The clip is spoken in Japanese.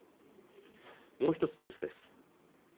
もう一つニュースです